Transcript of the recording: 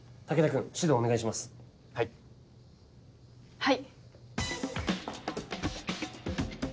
はい。